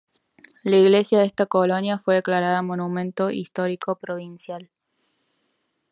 La iglesia de esta colonia fue declarada Monumento Histórico Provincial.